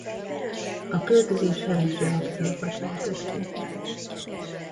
A költözés heves reakciókat váltott ki.